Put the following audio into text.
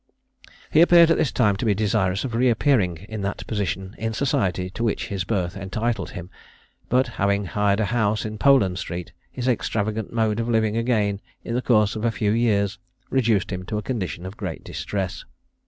He appeared at this time to be desirous of re appearing in that position in society to which his birth entitled him; but having hired a house in Poland street, his extravagant mode of living again, in the course of a few years, reduced him to a condition of great distress.